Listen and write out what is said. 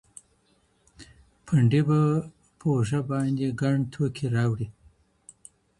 پنډي به په اوږه باندي ګڼ توکي راوړي.